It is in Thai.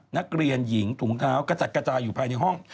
นักเรียนหญิงถุงเท้ากระจัดกระจายอยู่ภายในห้อง